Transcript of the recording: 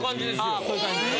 ・ああこういう感じです。